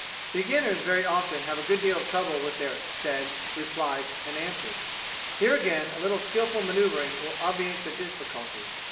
Beginners very often have a good deal of trouble with their "saids," "replieds," and "answereds." Here, again, a little skilful manoevring will obviate the difficulty.